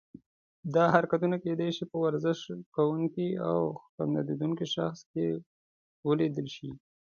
دا حرکتونه کیدای شي په ورزش کوونکي او خندیدونکي شخص کې ولیدل شي.